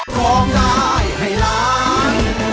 โทษให้โทษให้โทษให้โทษให้